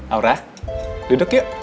aura duduk yuk